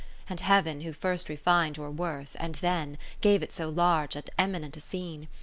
And Heav'n who first refin'd your worth, and then. Gave it so large and eminent a scene.